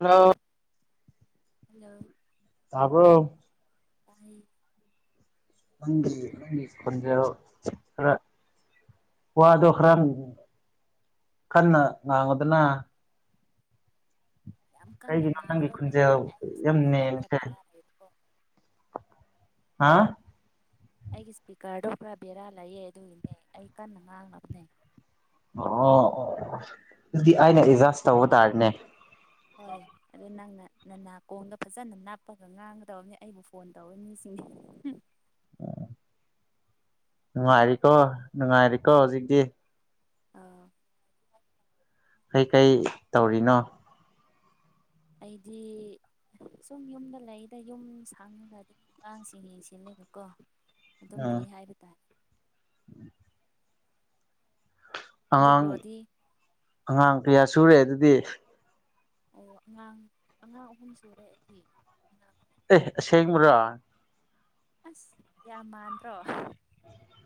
Hello hello ꯇꯥꯕ꯭ꯔꯣ ꯇꯥꯏ ꯅꯪꯒꯤ ꯅꯪꯒꯤ ꯈꯣꯟꯖꯦꯜ ꯈꯔ ꯋꯥꯗꯣ ꯈꯔ ꯀꯟꯅ ꯉꯥꯡꯉꯣꯗꯅ ꯌꯥꯝ ꯀꯟꯅ ꯀꯩꯒꯤꯅꯣ ꯅꯪꯒꯤ ꯅꯥꯎꯔꯥ ꯂꯩꯔꯅꯦ ꯈꯨꯟꯖꯦꯜ ꯑꯩꯒꯤꯁꯤ ꯌꯥꯝ ꯀꯩꯔꯣ ꯈꯔ ꯅꯦꯝꯃꯤꯁꯦ ꯕꯦꯔꯥ ꯂꯩꯔꯦꯀꯣ ꯍꯥ ꯑꯩꯒꯤ ꯏꯁꯄꯤꯀꯔꯗꯣ ꯄꯨꯔꯥ ꯕꯦꯔꯥ ꯂꯩꯌꯦ ꯑꯗꯨꯒꯤꯅꯦ ꯑꯩ ꯀꯟꯅ ꯉꯥꯡꯅꯕꯅꯦ ꯑꯣ ꯑꯣ ꯑꯣ ꯑꯣ ꯑꯗꯨꯗꯤ ꯑꯩꯅ ꯑꯦꯗꯖꯥꯁ ꯇꯧꯕ ꯇꯥꯔꯦꯅꯦ ꯍꯣꯏ ꯑꯗꯣ ꯅꯪꯅ ꯅꯅꯥꯀꯣꯡꯗ ꯐꯖꯅ ꯅꯞꯄꯒ ꯉꯥꯡꯒꯗꯧꯕꯅꯦ ꯑꯩꯕꯨ ꯐꯣꯟ ꯇꯧꯕ ꯃꯤꯁꯤꯡꯗꯤ ꯑꯣ ꯅꯨꯡꯉꯥꯏꯔꯤꯀꯣ ꯅꯨꯡꯉꯥꯏꯔꯤꯀꯣ ꯍꯧꯖꯤꯛꯇꯤ ꯑꯥ ꯀꯩꯀꯩ ꯇꯧꯔꯤꯅꯣ ꯑꯩꯗꯤ ꯁꯨꯝ ꯌꯨꯝꯗꯥ ꯂꯩꯌꯦꯗꯥ ꯌꯨꯝ ꯁꯥꯡꯉꯒ ꯑꯗꯨꯝ ꯑꯉꯥꯡꯁꯤꯡ ꯌꯦꯡꯁꯤꯜꯂꯦꯕꯀꯣ ꯑꯗꯨꯝ ꯎꯝ ꯂꯩ ꯍꯥꯏꯕ ꯇꯥꯔꯦ [inaudible] ꯑꯗꯨ ꯑꯉꯥꯡ ꯕ꯭ꯔꯣꯗꯤ ꯑꯉꯥꯡ ꯀꯌꯥ ꯁꯨꯔꯦ ꯑꯗꯨꯗꯤ ꯑꯣ ꯑꯉꯥꯡ ꯑꯉꯥꯡ ꯑꯍꯨꯝ ꯁꯨꯔꯦ ꯑꯩꯗꯤ ꯑꯉꯥꯡ ꯑꯦ ꯑꯁꯦꯡꯕꯥꯔꯥ ꯑꯁ ꯌꯥꯝ ꯃꯥꯟꯗ꯭ꯔꯣ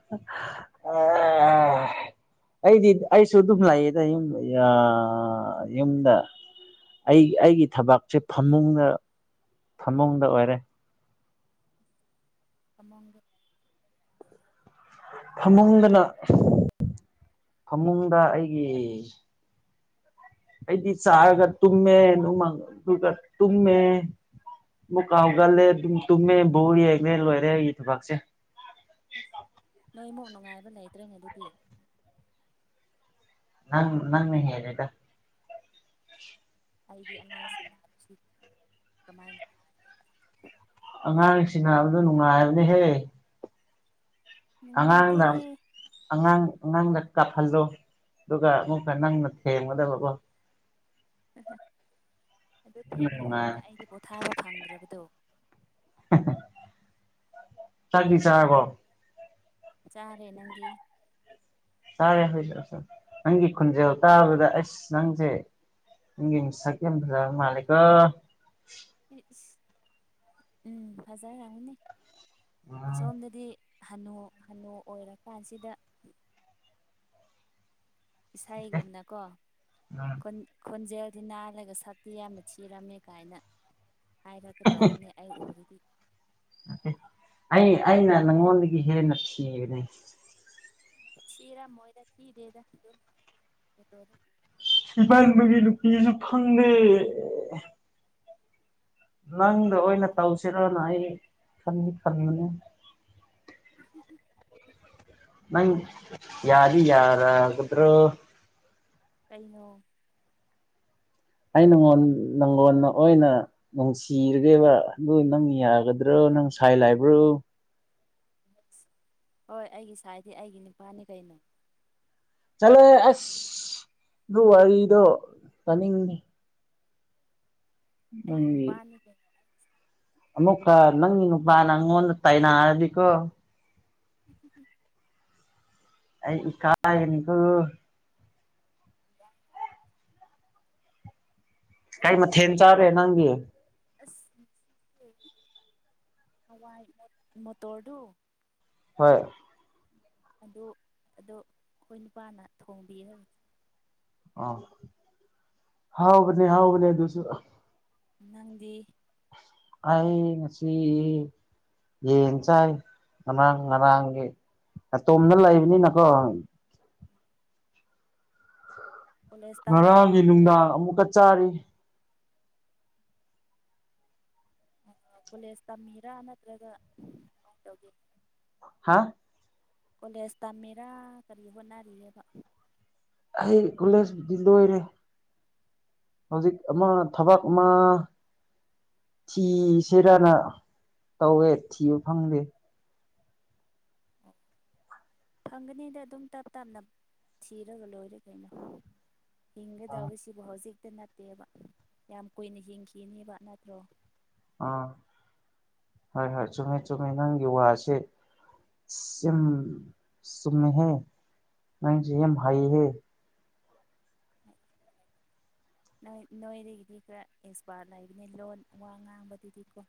[unintelligible] ꯑꯩꯗꯤ ꯑꯩꯁꯨ ꯑꯗꯨꯝ ꯂꯥꯛꯏꯗ ꯌꯨꯝ ꯌꯥ ꯌꯨꯝꯗ ꯑꯩ ꯑꯩꯒꯤ ꯊꯕꯥꯛꯁꯦ ꯐꯃꯨꯡꯗꯥ ꯐꯃꯨꯡꯗꯥ ꯑꯣꯏꯔꯦ ꯐꯃꯨꯡꯗꯥ ꯐꯃꯨꯡꯗꯅ ꯆꯥꯅꯕꯗꯤ ꯂꯩꯔꯦ ꯌꯥꯝ ꯅꯨꯡꯉꯥꯏ꯫ ꯐꯃꯨꯡꯗꯥ ꯑꯩꯒꯤ ꯑꯩꯗꯤ ꯆꯥꯔꯒ ꯇꯨꯝꯃꯦ ꯅꯣꯡꯃ ꯗꯨꯒꯥ ꯇꯨꯝꯃꯦ ꯑꯃꯨꯛ ꯍꯥꯎꯒꯜꯂꯦ ꯑꯗꯨꯝ ꯇꯨꯝꯃꯦ ꯕꯣꯜ ꯌꯦꯡꯉꯦ ꯂꯣꯏꯔꯦ ꯑꯩ ꯊꯕꯛꯁꯦ ꯑꯁ ꯅꯣꯏꯃꯨꯛ ꯅꯨꯡꯉꯥꯏꯕ ꯂꯩꯇ꯭ꯔꯦꯅꯦ ꯑꯗꯨꯗꯤ ꯅꯪ ꯅꯪꯅ ꯍꯦꯜꯂꯦꯗ ꯑꯩꯒꯤ ꯑꯉꯥꯡꯁꯤ ꯂꯥꯛꯁꯤꯕ ꯀꯃꯥꯏꯅ ꯑꯉꯥꯡꯁꯤꯡ ꯍꯥꯏꯕꯗꯣ ꯅꯨꯡꯉꯥꯏꯕꯅꯦꯍꯦ ꯅꯨꯡꯉꯥꯏꯗꯣꯏꯕ ꯅꯨꯡꯉꯥꯏꯇꯦ ꯑꯉꯥꯡꯗ ꯑꯉꯥꯡ ꯑꯉꯥꯡꯗ ꯀꯥꯞꯍꯜꯂꯣ ꯑꯗꯨꯒ ꯑꯃꯨꯛ ꯅꯪꯅ ꯊꯦꯡꯒꯗꯕꯀꫭ ꯑꯗꯨ ꯑꯗꯨꯅ ꯅꯨꯡꯉꯥꯏ ꯊꯦꯝꯂꯤꯉꯥꯏꯗ ꯑꯩꯗꯤ ꯄꯣꯊꯥꯕ ꯐꯪꯗ꯭ꯔꯕꯗꯣ [unintelligible] ꯆꯥꯛꯇꯤ ꯆꯔꯕꯣ ꯆꯥꯔꯦ ꯅꯪꯗꯤ ꯆꯥꯔꯦ ꯍꯥꯏꯁꯦ ꯅꯪꯒꯤ ꯈꯨꯟꯖꯦꯜ ꯇꯥꯕꯗ ꯑꯁ ꯅꯪꯁꯦ [unintelligible] ꯎꯝ ꯐꯖꯔꯅꯤ ꯎꯝ ꯁꯣꯝꯗꯗꯤ ꯍꯥꯅꯣ ꯍꯅꯨ ꯑꯣꯏꯔꯀꯥꯟꯁꯤꯗ ꯑꯦ ꯏꯁꯥꯒꯣꯝꯅꯀꯣ ꯎꯝ ꯈꯣꯟꯖꯦꯜꯗꯤ ꯅꯥꯜꯂꯒ ꯁꯛꯇꯤ ꯌꯥꯝꯅ ꯊꯤꯔꯝꯃꯦ ꯀꯥꯏꯅ ꯍꯥꯏꯔꯛꯒꯗꯧꯕꯅꯦ ꯑꯩ ꯎꯔꯤꯗꯤ ꯑꯩ ꯑꯩꯅ ꯂꯉꯣꯟꯗꯒꯤ ꯍꯦꯟꯅ ꯊꯤꯕꯅꯦ ꯁꯤꯔ ꯃꯣꯏꯗ ꯊꯤꯗꯦꯗ ꯑꯗꯨ ꯇ ꯁꯤꯕꯥꯕꯒꯤ ꯅꯨꯄꯤꯁꯨ ꯐꯪꯗꯦ ꯅꯪꯗ ꯑꯣꯏꯅ ꯇꯧꯁꯤꯔꯣꯅ ꯑꯩ ꯈ ꯈꯟꯕꯅꯦ [unintelligible] ꯅꯪ ꯌꯥꯗꯤ ꯌꯥꯔꯒꯗ꯭ꯔꯣ ꯀꯩꯅꯣ ꯑꯩ ꯅꯪꯉꯣꯟ ꯅꯪꯒꯣꯟꯅ ꯑꯣꯏꯅ ꯅꯨꯡꯁꯤꯔꯒꯦꯕ ꯑꯗꯨ ꯅꯪ ꯌꯥꯒꯗ꯭ꯔꯣ ꯅꯪ ꯁꯥꯏ ꯂꯥꯏꯕ꯭ꯔꯣ ꯌꯦꯁ ꯍꯣꯏ ꯑꯩꯒꯤ ꯁꯥꯏꯗꯤ ꯑꯩꯒꯤ ꯅꯨꯄꯥꯅꯤ ꯀꯩꯅꯣ ꯆꯠꯂꯦ ꯑꯁ ꯑꯗꯨ ꯋꯥꯔꯤꯗꯣ ꯆꯥꯅꯤꯡꯉ ꯑꯩꯒꯤ ꯅꯪꯒꯤ ꯅꯨꯄꯥꯅꯤ ꯀ ꯑꯃꯨꯛꯀ ꯅꯪ ꯅꯨꯄꯥ ꯅꯪꯉꯣꯟꯗ ꯇꯥꯏꯅꯔꯗꯤꯀꯣ [unintelligible] ꯑꯩ ꯏ ꯀ ꯍꯅꯤꯀꯣ [unintelligible] ꯀꯥꯏ ꯑꯗꯨ ꯃꯊꯦꯟ ꯆꯥꯔꯦ ꯅꯪꯒꯤ ꯑꯁ ꯉꯁꯤꯁꯦ ꯍꯋꯥꯏ ꯃꯣꯇꯣꯔꯗꯨ ꯍꯣꯏ ꯑꯗꯣ ꯑꯗꯣ ꯑꯩꯈꯣꯏ ꯅꯨꯄꯥꯅ ꯊꯣꯡꯕꯤ ꯍꯥꯏꯕ ꯑ ꯍꯥꯎꯕꯅꯦ ꯍꯥꯎꯕꯅꯦ ꯑꯗꯨꯁꯨ ꯅꯪꯗꯤ ꯑꯩ ꯉꯁꯤ ꯌꯦꯟ ꯆꯥꯏ ꯉꯔꯥꯡ ꯉꯔꯥꯡꯒꯤ ꯑꯇꯣꯝꯗ ꯂꯩꯕꯅꯤꯅꯀꯣ ꯀꯣꯂꯦꯖ ꯇꯝꯃꯤꯔꯣ ꯉꯔꯥꯡꯒꯤ ꯅꯨꯡꯗꯥꯡ ꯑꯃꯨꯛꯀ ꯆꯥꯔꯤ ꯀꯣꯂꯦꯖ ꯇꯝꯃꯤꯔꯥ ꯅꯠꯇ꯭ꯔꯒ ꯀꯃꯥꯏꯅ ꯇꯧꯒꯦ ꯍꯥꯥ ꯀꯣꯂꯦꯖ ꯇꯝꯃꯦꯔꯥ ꯀꯔꯤ ꯍꯣꯠꯅꯔꯤꯑꯕ ꯑꯩ ꯀꯣꯂꯦꯖꯄꯨꯗꯤ ꯂꯣꯏꯔꯦ ꯍꯧꯖꯤꯛ ꯑꯃ ꯊꯕꯛ ꯑꯃ ꯊꯤꯁꯤꯔꯅ ꯇꯧꯋꯦ ꯊꯤꯕ ꯐꯪꯗꯦ ꯐꯪꯒꯅꯤꯗ ꯑꯗꯨꯝ ꯇꯞ ꯇꯞꯅ ꯊꯤꯔꯒ ꯂꯣꯏꯔꯦ ꯀꯩꯅꯣ ꯍꯤꯡꯒꯗ ꯑꯥ ꯁꯤꯕꯨ ꯍꯧꯖꯤꯛꯇ ꯅꯠꯇꯦꯕ ꯌꯥꯝ ꯀꯨꯏꯅ ꯍꯤꯡꯈꯤꯅꯦꯕ ꯅꯠꯇ꯭ꯔꯣ ꯑꯥ ꯍꯣꯏ ꯍꯣꯏ ꯆꯨꯝꯃꯦ ꯆꯨꯝꯃꯦ ꯅꯪꯒꯤ ꯋꯥꯁꯦ ꯆꯤꯝ ꯆꯨꯝꯃꯦꯍꯦ ꯅꯪꯖꯦ ꯌꯥꯝ ꯍꯩꯌꯦꯍꯦ ꯅ‌ꯣꯏ ꯅꯣꯏꯗꯒꯤꯗꯤ ꯈꯔ ꯑꯦꯛꯁꯄꯥꯔꯠ ꯂꯩꯕꯅ‌ꯦ ꯂꯣꯟ ꯋꯥ ꯉꯥꯡꯕꯗꯗꯤ ꯀꯣ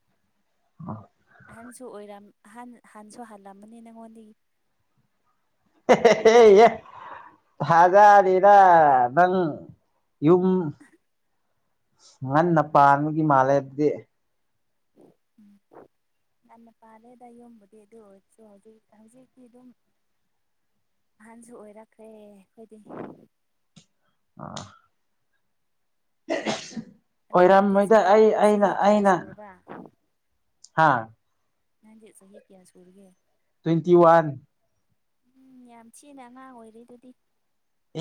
ꯍ‌ꯣꯏ ꯑꯍꯟꯁꯨ ꯑꯣꯏꯔꯝ ꯑꯍꯟ ꯍꯟꯁꯨ ꯍꯟꯂꯝꯃꯅꯤ ꯅꯪꯉꯣꯟꯗꯒꯤ ꯍꯦ ꯍꯦ ꯍꯦ ꯌꯦ ꯊꯥꯖꯗ‌ꯦꯗ ꯅꯪ ꯌꯨꯝ ꯉꯟꯅ ꯄꯥꯟꯕꯒꯤ ꯃꯥꯜꯂꯦ ꯑꯗꯨꯗꯤ ꯉꯟꯅ ꯄꯥꯜꯂꯦꯗ ꯌꯨꯝꯕꯨꯗꯤ ꯑꯗꯨ ꯑꯣꯏꯁꯨ ꯍꯧꯖꯤꯛ ꯍꯧꯖꯤꯛꯒꯤ ꯑꯗꯨꯝ ꯑꯍꯟꯁꯨ ꯑꯣꯏꯔꯛꯈ꯭ꯔꯦ ꯑꯩꯈꯣꯏꯗꯤ ꯑꯥ ꯑꯣꯏꯔꯝꯃꯣꯏꯗ ꯑꯩ ꯑꯩꯅ ꯑꯩꯅ ꯕꯔꯥ ꯍꯥꯥ ꯅꯪꯗꯤ ꯆꯍꯤ ꯀꯌꯥ ꯁꯨꯔꯒꯦ ꯇꯣꯏꯇꯤ ꯋꯥꯟ ꯎꯝ ꯌꯥꯝ ꯊꯤꯅ ꯑꯉꯥꯡ ꯑꯣꯏꯔꯤ ꯑꯗꯨꯗꯤ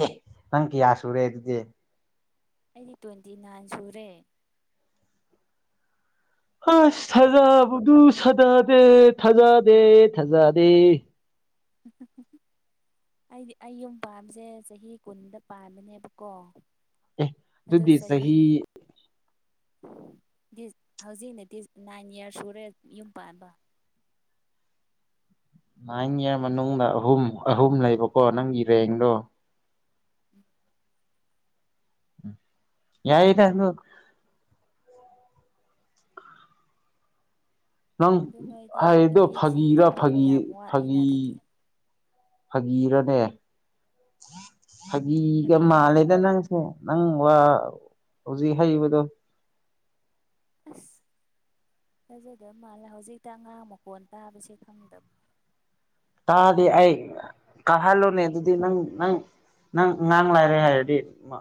ꯑꯦ ꯅꯪ ꯀꯌꯥ ꯁꯨꯔꯦ ꯑꯗꯨꯗꯤ ꯑꯩꯗꯤ ꯇꯣꯏꯟꯇꯤ ꯅꯥꯏꯟ ꯁꯨꯔꯦ ꯑꯁ ꯊꯥꯖꯥ ꯕꯗꯨ ꯁꯥꯅꯗꯦ ꯊꯥꯖꯗꯦ ꯊꯥꯖꯗꯦ [inaudible] ꯑꯩꯗꯤ ꯑꯩ ꯌꯨꯝ ꯄꯥꯟꯕꯁꯦ ꯆꯍꯤ ꯀꯨꯟꯗ ꯄꯥꯟꯕꯅꯦꯕꯀꯣ ꯑꯦ ꯑꯗꯣ ꯑꯗꯨꯗꯤ ꯆꯍꯤ ꯗꯤꯁ ꯍꯧꯖꯤꯛ ꯂꯦꯇꯤꯁ ꯅꯥꯏꯟ ꯏꯌꯥꯔ ꯁꯨꯔꯦ ꯌꯨꯝ ꯄꯥꯟꯕ ꯅꯥꯏꯟ ꯏꯌꯥꯔ ꯃꯅꯨꯡꯗ ꯑꯍꯨꯝ ꯑꯍꯨꯝ ꯂꯩꯕꯀꯣ ꯅꯪꯒꯤ ꯔꯦꯡꯗꯣ ꯎꯝ ꯎꯝ ꯌꯥꯏꯌ‌ꯦꯗ ꯑꯗꯨ ꯅꯪ ꯑꯗꯨ ꯅꯣꯏꯗꯤ ꯍꯥꯏꯗꯣ ꯅꯨꯄꯤ ꯐꯥꯒꯤꯔꯥ ꯊꯤꯒꯗꯧꯕ ꯐꯥꯒꯤ ꯌꯥꯝ ꯋꯥꯠꯂꯤꯅ ꯐꯥꯒꯤ ꯑꯗꯨꯗꯤ ꯐꯥꯒꯤꯔꯅꯦ [unintelligible] ꯐꯥꯒꯤꯒ ꯀꯔꯤꯅꯣ ꯃꯥꯜꯂꯦꯗ ꯅꯪ [unintelligible] ꯅꯪ ꯋꯥ ꯍꯧꯖꯤꯛ ꯍꯩꯏꯕꯗꯣ ꯑꯁ ꯊꯖꯗ ꯃꯥꯜꯂꯦ ꯍꯧꯖꯤꯛꯇ ꯑꯉꯥꯡ ꯃꯈꯣꯟ ꯇꯥꯕꯁꯦ ꯈꯪꯗꯕ ꯇꯥꯗ‌ꯦ ꯑꯩ ꯇꯥꯍꯜꯂꯣꯅꯦ ꯑꯗꯨꯗꯤ ꯅꯪ ꯅꯪ ꯅꯪ ꯑꯉꯥꯡ ꯂꯩꯔꯦ ꯍꯥꯏꯔꯗꯤ ꯃꯥ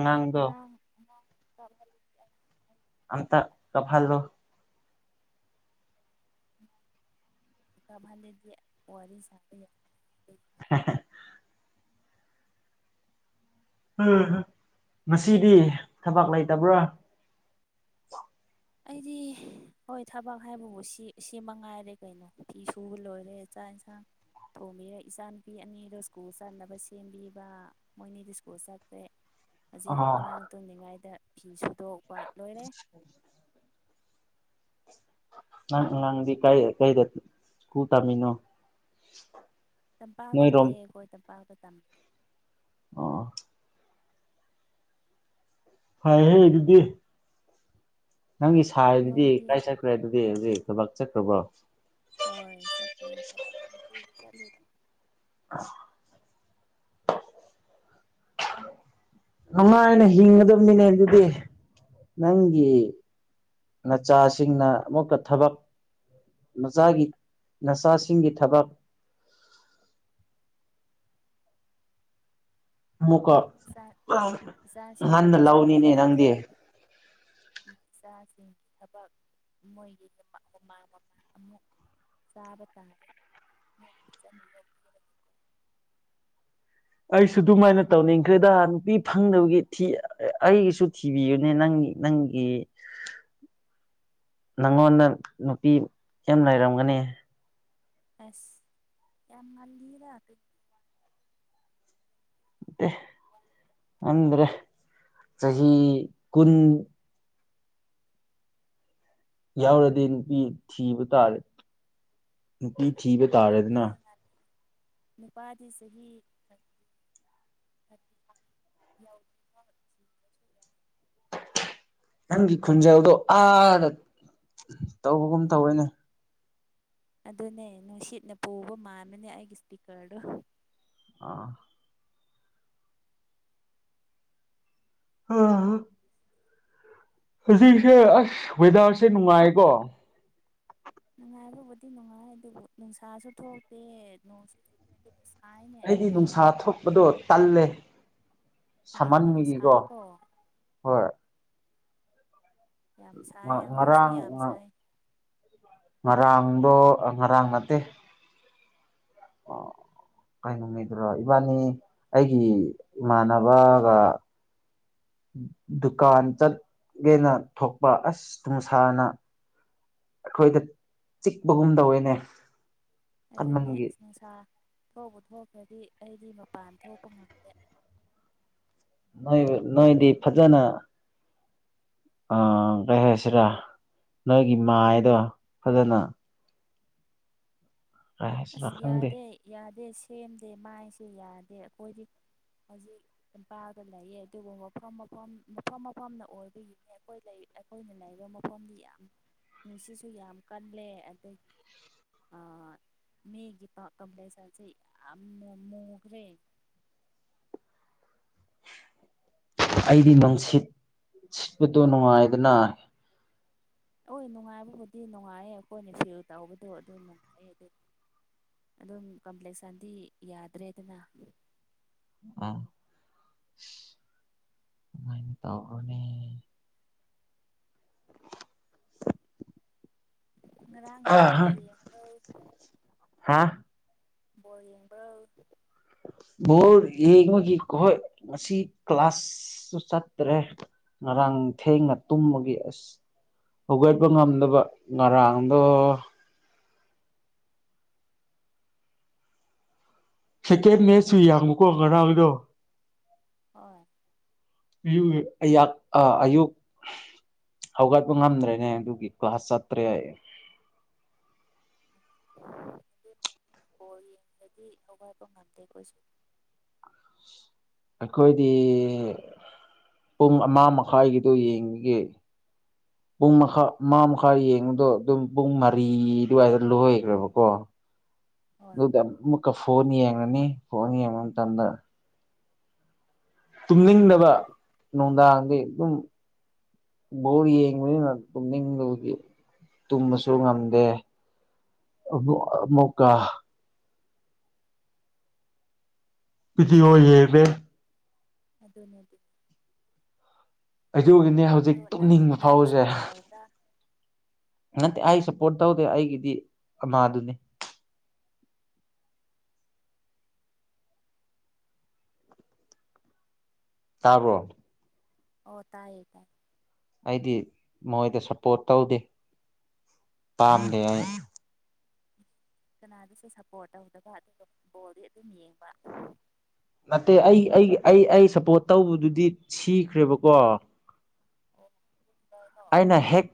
ꯑꯁ ꯑꯉꯥꯡ ꯑꯉꯥꯡ [unintelligible] ꯑꯝꯇ ꯀꯐꯜ ꯂꯣ ꯀꯞꯍꯜꯂꯗꯤ ꯋꯥꯔꯤ ꯁꯥꯕ ꯌꯥ ꯍꯦ ꯍꯦ ꯑ [unintelligible] ꯉꯁꯤꯗꯤ ꯊꯕꯛ ꯂꯩꯇꯕꯔ ꯑꯩꯗꯤ ꯍꯣꯏ ꯊꯕꯛ ꯍꯥꯏꯕꯕꯨ ꯁꯤ ꯁꯤ ꯃꯉꯥꯏꯔꯦ ꯀꯩꯅꯣ ꯐꯤ ꯁꯨꯕ ꯂꯣꯏꯔꯦ ꯆꯥꯛ ꯏꯟꯁꯥꯡ ꯊꯣꯡꯕꯤꯔ‌ꯦ ꯏꯆꯥꯅꯨꯄꯤ ꯑꯅꯤꯗꯣ ꯁ꯭ꯀꯨꯜ ꯆꯠꯅꯕ ꯁꯦꯝꯕꯤꯕ ꯃꯣꯏꯅꯤꯗꯤ ꯁ꯭ꯀꯨꯜ ꯆꯠꯈꯔꯦ ꯍꯧꯖꯤꯛ ꯑꯣ ꯑꯉꯥꯡ ꯇꯨꯝꯂꯤꯉꯥꯏꯗ ꯐꯤ ꯁꯨꯗꯣꯛꯄ ꯂꯣꯏꯔꯦ ꯅꯪ ꯑꯉꯥꯡꯗꯤ ꯀꯥꯏꯗ ꯀꯩꯗ ꯁ꯭ꯀꯨꯜ ꯇꯝꯃꯤꯅꯣ ꯇꯝꯄꯥꯛꯇ ꯅꯣꯏꯔꯣꯝ ꯂꯩꯑꯦ ꯑꯩꯈꯣꯏ ꯇꯝꯄꯥꯛꯇ ꯇꯝꯃꯤ ꯑꯣ ꯐꯩꯍꯦ ꯑꯗꯨꯗꯤ ꯅꯪꯒꯤ ꯁꯥꯏꯗꯨꯗꯤ ꯅꯣꯏꯗꯤ ꯀꯥꯏ ꯆꯠꯈ꯭ꯔꯦ ꯑꯗꯨꯗꯤ ꯍꯧꯖꯤꯛ ꯊꯕꯛ ꯆꯠꯈ꯭ꯔꯕ‌ꯣ ꯍꯣꯏ ꯆꯠꯈꯔ‌ꯦ ꯊꯕꯛ ꯅꯨꯡꯇꯤꯒꯤ ꯆꯠꯂꯤꯗ ꯑꯁ ꯅꯨꯡꯉꯥꯏꯅ ꯍꯤꯡꯒꯗꯕꯅꯤꯅꯦ ꯑꯗꯨꯗꯤ ꯅꯪꯒꯤ ꯅꯆꯥꯁꯤꯡꯅ ꯑꯃꯨꯛꯀ ꯊꯕꯛ ꯅꯆꯥꯒꯤ ꯅꯆꯥꯁꯤꯡꯒꯤ ꯊꯕꯛ ꯑꯃꯨꯛꯀ ꯏꯆꯥ ꯏꯆꯥꯁꯤꯡꯕꯨ ꯉꯟꯅ ꯐꯖꯅ ꯂꯧꯅꯤꯅꯦ ꯅꯪꯗꯤ ꯌꫭꯛꯂꯒ ꯏꯆꯥꯁꯤꯡꯒꯤ ꯊꯕꯛ ꯃꯣꯏꯒꯤ ꯃꯃꯥ ꯃꯄꯥ ꯑꯃꯨꯛ ꯆꯥꯕ ꯇꯥꯔꯦ ꯃꫭꯏ ꯄꯤꯖꯅꯤꯡꯉꫭꯏ ꯑꯩꯁꯨ ꯑꯗꯨꯃꯥꯏꯅ ꯇꯧꯅꯤꯡꯈ꯭ꯔꯦꯗ ꯅꯨꯄꯤ ꯐꯪꯗꯕꯒꯤ ꯊꯤ ꯑꯩꯒꯤꯁꯨ ꯇꯤꯕꯤꯌꯦꯅꯦ ꯅꯪꯒꯤ ꯅꯪꯒꯤ ꯅꯪꯉꯣꯟꯗ ꯅꯨꯄꯤ ꯌꯥꯝ ꯂꯩꯔꯝꯒꯅꯤ꯫ ꯑꯦꯁ ꯌꯥꯝ ꯃꯜꯂꯤꯗ ꯑꯗꯨ ꯑꯦ ꯋꯥ ꯈꯪꯗ꯭ꯔꯦ ꯆꯍꯤ ꯀꯨꯟ ꯌꯥꯎꯔꯗꯤ ꯅꯨꯄꯤ ꯊꯤꯕ ꯇꯥꯔꯦ ꯅꯨꯄꯤ ꯊꯤꯕ ꯇꯥꯔꯦꯗꯅ ꯉꯜꯂꯤꯌꯦ ꯉꯜꯂꯤ ꯅꯨꯄꯥꯗꯤ ꯆꯍꯤ ꯊꯥꯔꯇꯤ ꯊꯥꯔꯇꯤ ꯐꯥꯏꯚ ꯌꯧꯏ꯫ ꯅꯪꯒꯤ ꯈꯨꯟꯖꯦꯜꯗꯣ ꯑꯥꯗ ꯇꯧꯕꯒꯨꯝ ꯇꯧꯋꯦꯅꯦ꯫ ꯑꯗꯨꯅꯦ ꯅꯨꯡꯁꯤꯠꯅ ꯄꯨꯕ ꯃꯥꯟꯕꯅꯦ ꯑꯩꯒꯤ ꯏꯁꯄꯤꯀꯔꯗꯣ꯫ ꯑꯥ [unintelligible] ꯍꯧꯖꯤꯛꯁꯦ ꯑꯁ ꯋꯦꯗꯔꯁꯦ ꯅꯨꯡꯉꯥꯏꯀꯣ꯫ ꯅꯨꯡꯉꯥꯏꯕꯕꯨꯗꯤ ꯅꯨꯡꯉꯥꯏ ꯑꯗꯨꯕꯨ ꯅꯨꯡꯁꯥꯁꯨ ꯊꯣꯛꯇꯦ ꯅꯣꯡꯁꯨ [unintelligible] ꯁꯥꯏꯟꯅꯦ ꯑꯩꯗꯤ ꯅꯨꯡꯁꯥ ꯊꯣꯛꯄꯗꯣ ꯇꯜꯂꯦ꯫ ꯑꯗꯨꯅꯦ ꯁꯃꯥꯟꯕꯒꯤꯀꯣ ꯁꯥꯏꯀꯣ ꯍꯣꯏ꯫ ꯌꯥꯝ ꯁꯥꯏ ꯍꯧꯖꯤꯛꯁꯨ ꯉꯔꯥꯡ ꯌꯥꯝ ꯁꯥꯏ꯫ ꯉꯔꯥꯡꯗꯣ ꯉꯔꯥꯡ ꯅꯠꯇꯦ ꯑꯣ ꯀꯩꯅꯨꯃꯤꯠꯇꯔꫭ ꯏꯕꯥꯅꯤ ꯑꯩꯒꯤ ꯏꯃꯥꯟꯅꯕꯒ ꯗꯨꯀꯥꯟ ꯆꯠꯒꯦꯅ ꯊꯣꯛꯄ ꯑꯁ ꯅꯨꯡꯁꯥꯅ ꯑꯩꯈꯣꯏꯗ ꯆꯤꯛꯄꯒꯨꯝ ꯇꯧꯋꯦꯅꯦ ꯑꯗꯨꯅꯦ ꯀꯟꯃꯟꯒꯤ ꯅꯨꯡꯁꯥ ꯊꫭꯛꯄꯨ ꯊꯣꯛꯈ꯭ꯔꯗꯤ ꯑꯩꯗꯤ ꯃꯄꯥꯟ ꯊꯣꯛꯄ ꯉꯝꯗꯦ꯫ ꯅꯣꯏꯕꯨ ꯅꯣꯏꯗꯤ ꯐꯖꯅ ꯑꯥ ꯀꯩ ꯍꯥꯏꯁꯤꯔꯥ ꯅꯪꯒꯤ ꯃꯥꯏꯗꯣ ꯐꯖꯅ ꯀꯩ ꯍꯥꯏꯁꯤꯔꯥ ꯑꯁ ꯈꯪꯗꯦ ꯌꯥꯗꯦ ꯌꯥꯗꯦ ꯁꯦꯝꯗꯦ ꯃꯥꯏꯁꯦ ꯌꯥꯗꯦ ꯑꯩꯈꯣꯏꯗꯤ ꯍꯧꯖꯤꯛ ꯏꯝꯄꯥꯜꯗ ꯂꯩꯌꯦ ꯑꯗꯨꯕꯨ ꯃꯐꯝ ꯃꯐꯝ ꯃꯐꯝ ꯃꯐꯝꯅ ꯑꯣꯏꯕꯒꯤꯅꯦ ꯑꯩꯈꯣꯏ ꯂꯩ꯫ ꯑꯩꯈꯣꯏꯅ ꯂꯩꯕ ꯃꯐꯝꯗꯤ ꯌꯥꯝ ꯅꯨꯡꯁꯤꯠꯁꯨ ꯌꯥꯝ ꯀꯜꯂꯦ ꯑꯗꯒꯤ ꯑꯥ ꯃꯤꯒꯤ ꯄꯥꯀꯝꯄ꯭ꯂꯦꯛꯁꯥꯟꯁꯦ ꯌꯥꯝ ꯃꯨꯈ꯭ꯔꯦ꯫ ꯑꯩꯗꯤ ꯅꯨꯡꯁꯤꯠ ꯁꯤꯠꯄꯗꯣ ꯅꯨꯡꯉꯥꯏꯗꯅ ꯍꯣꯏ ꯅꯨꯡꯉꯥꯏꯕꯕꯨꯗꯤ ꯅꯨꯡꯉꯥꯏꯌꯦ ꯑꯩꯈꯣꯏꯅ ꯁꯦꯜ ꯇꯧꯕꯗꯣ ꯑꯗꯨ ꯅꯨꯡꯉꯥꯏꯌꯦ ꯑꯗꯨꯗꯤ ꯑꯗꯨꯝ ꯀꯝꯄ꯭ꯂꯦꯛꯁꯥꯟꯗꯤ ꯌꯥꯗ꯭ꯔꯦꯗꯅ [unintelligible] ꯉꯔꯥꯡ ꯑ ꯕꯣꯜ ꯌꯦꯕ꯭ꯔꯣ꯫ ꯍꯥ ꯕꯣꯜ ꯌꯦꯡꯕ ꯕꯣꯜ ꯌꯦꯡꯕꯒꯤ ꯍꯣꯏ ꯉꯁꯤ ꯀ꯭ꯂꯥꯁꯁꯨ ꯆꯠꯇ꯭ꯔꯦ ꯉꯔꯥꯡ ꯊꯦꯡꯅ ꯇꯨꯝꯕꯒꯤ ꯑꯁ ꯍꯧꯒꯠꯄ ꯉꯝꯗꯕ ꯉꯔꯥꯡꯗꯣ ꯁꯦꯀꯦꯟ ꯃꯦꯠꯆꯁꯨ ꯌꯥꯝꯕꯀꫭ ꯉꯔꯥꯡꯗꯣ꯫ ꯍꯣꯏ꯫ [unintelligible] ꯑꯌꯥꯛ ꯑꯥ ꯑꯌꯨꯛ ꯍꯧꯒꯠꯄ ꯉꯝꯗ꯭ꯔꯦꯅꯦ ꯑꯗꯨꯒꯤ ꯀ꯭ꯂꯥꯁ ꯆꯠꯇ꯭ꯔꯦ ꯑꯩ ꯑꯗꯨꯅꯦ ꯕꫭꯜ ꯌꯦꯡꯕꯗꯤ ꯍꯧꯒꯠꯄ ꯉꯝꯗꯦ ꯑꯩꯈꯣꯏꯁꯨ ꯑꯩꯈꯣꯏꯗꯤ ꯄꯨꯡ ꯑꯃ ꯃꯈꯥꯏꯒꯤꯗꯣ ꯌꯦꯡꯈꯤꯒꯦ [unintelligible] ꯄꯨꯡ ꯑꯃꯥ ꯃꯈꯥꯢ ꯌꯦꯡꯕꯗꯣ ꯑꯗꯨꯝ ꯄꯨꯡ ꯃꯔꯤ ꯑꯗꯨꯋꯥꯏꯗ ꯂꯣꯏꯈ꯭ꯔꯦꯕꯀꯣ ꯍꯣꯏ ꯗꯨꯒ ꯃꯨꯀ ꯐꯣꯟ ꯌꯦꯡꯉꯅꯤ ꯐꯣꯟ ꯌꯦꯡꯕ ꯃꯇꯝꯗ ꯇꯨꯝꯅꯤꯡꯗꯕ ꯅꯨꯡꯗꯥꯡꯗꯤ ꯑꯗꯨꯝ ꯕꯣꯜ ꯌꯦꯡꯕꯅꯤꯅ ꯇꯨꯝ-inaudibleꯇꯨꯝꯕꯁꯨ ꯉꯝꯗꯦ ꯑꯃꯨꯛ ꯑꯃꯨꯛꯀ ꯚꯤꯗꯤꯌꯣ- inaudible ꯑꯗꯨ ꯅꯗꯤ ꯑꯗꯨꯒꯤꯅꯦ ꯑꯗꯣ ꯍꯧꯖꯤꯛ ꯅꯪꯗꯤ ꯇꯨꯝꯅꯤꯡꯕ ꯀꯅꯥꯗ ꯐꯥꯎꯔꯤꯁꯦ ꯁꯞꯄꯣꯔꯠ ꯇꯧꯕ꯭ꯔꯥ ꯅꯠꯇꯦ ꯑꯩ ꯁꯞꯄꯔ꯭ꯣꯠ ꯇꯧꯗꯦ ꯑꯩꯒꯤꯗꯤ ꯑꯃꯗꯨꯅꯤ ꯇꯥꯕꯔꯣ ꯑꯧ ꯇꯥꯏꯌꯦ ꯇꯥꯏꯌꯦ ꯑꯩꯗꯤ ꯃꯣꯏꯗ ꯁꯞꯄꯔ꯭ꯣꯠ ꯇꯧꯗꯦ ꯄꯥꯝꯗꯦ ꯑꯩ ꯀꯅꯥꯗꯨꯁꯨ ꯁꯞꯄꯔ꯭ꯣꯠ ꯇꯧꯗꯕ ꯑꯗꯨꯒ ꯕꯣꯜꯗꯤ ꯑꯗꯨꯝ ꯌꯦꯡꯕ ꯅꯠꯇꯦ ꯑꯩ ꯑꯩ ꯑꯩ ꯑꯩ ꯁꯞꯄꯔ꯭ꯣꯠ ꯇꯧꯕꯗꯨꯗꯤ ꯁꯤꯈ꯭ꯔꯦꯕꯀꯣ ꯑꯣ ꯄꯣꯔꯇꯨꯒꯜꯔꯣ ꯑꯩꯅ ꯍꯦꯛ